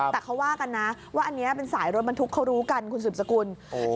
แต่เขาว่ากันนะว่าอันนี้เป็นสายรถบรรทุกเขารู้กันคุณสืบสกุล